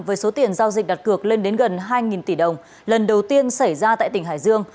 với số tiền giao dịch đặt cược lên đến gần hai tỷ đồng lần đầu tiên xảy ra tại tỉnh hải dương